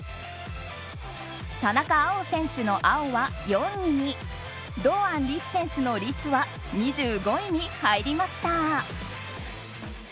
田中碧選手の碧は４位に堂安律選手の律は２５位に入りました。